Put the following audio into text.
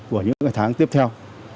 của những cái tháng tiếp theo